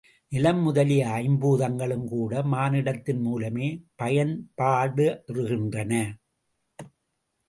நிலம் முதலிய ஐம்பூதங்களும் கூட மானுடத்தின் மூலமே பயன்பாடுறுகின்றன.